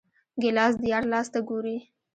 ګیلاس د یار لاس ته ګوري.